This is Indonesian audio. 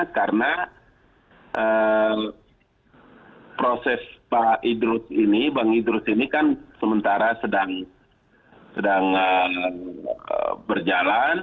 karena proses bang idrus ini kan sementara sedang berjalan